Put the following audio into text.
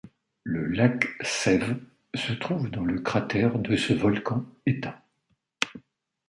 Le lac Sev se trouve dans le cratère de ce volcan éteint.